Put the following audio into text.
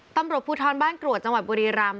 ตำรวจผู้ท้อนบ้านกรวจจังหวัดบุรีรัมน์